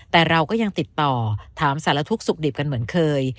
แต่เราก็ยังติดต่อถามสารทุกข์สุขดิบกันเหมือนเคย